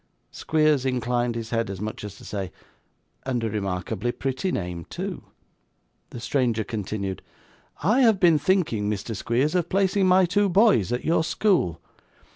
Squeers inclined his head as much as to say, 'And a remarkably pretty name, too.' The stranger continued. 'I have been thinking, Mr. Squeers, of placing my two boys at your school.